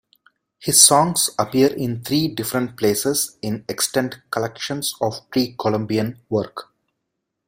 His songs appear in three different places in extant collections of Pre-Columbian work.